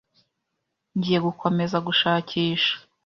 Ngiye gukomeza gushakisha .